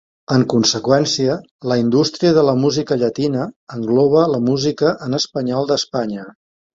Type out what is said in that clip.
En conseqüència, la indústria de la música llatina engloba la música en espanyol d'Espanya.